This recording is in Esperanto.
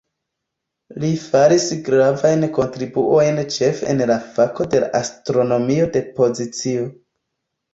Li faris gravajn kontribuojn ĉefe en la fako de la astronomio de pozicio.